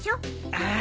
ああ。